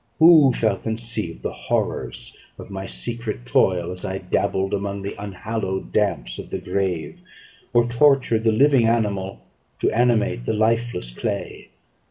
Who shall conceive the horrors of my secret toil, as I dabbled among the unhallowed damps of the grave, or tortured the living animal to animate the lifeless clay?